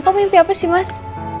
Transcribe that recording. atau mimpi apa sih mas